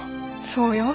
そうよ。